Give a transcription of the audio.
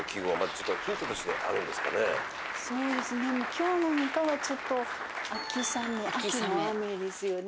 今日なんかはちょっと秋雨秋の雨ですよね。